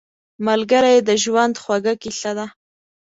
ملګری د ژوند خوږه کیسه ده